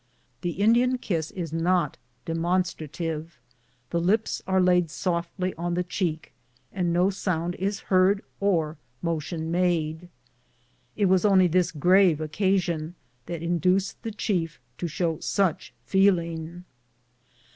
The Indian kiss is not demonstrative ; the lips are laid softly on the cheek, and no sound is heard or motion made. It was only this grave occasion that induced the chief to show such feeling.